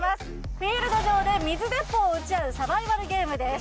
フィールド上で水鉄砲を撃ち合うサバイバルゲームです